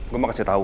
gue mau kasih tau